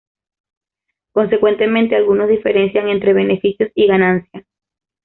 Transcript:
Consecuentemente, algunos diferencian entre beneficios y ganancia.